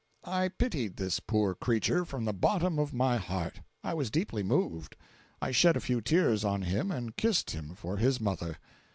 I pitied this poor creature from the bottom of my heart. I was deeply moved. I shed a few tears on him and kissed him for his mother.